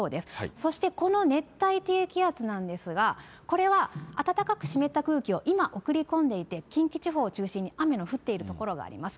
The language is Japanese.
そしてこの熱帯低気圧なんですが、これは暖かく湿った空気を今、送り込んでいて近畿地方を中心に雨の降っている所があります。